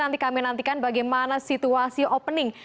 nanti kami nantikan bagaimana situasi opening